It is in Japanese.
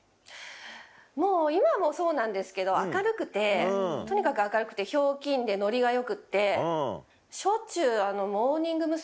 もう今もそうなんですけど明るくてとにかく明るくてひょうきんでノリがよくってしょっちゅうあのモーニング娘。